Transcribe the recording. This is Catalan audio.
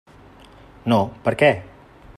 No, per què?